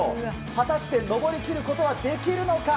果たして登りきることはできるのか？